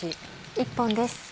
１本です。